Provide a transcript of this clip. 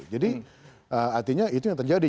jadi artinya itu yang terjadi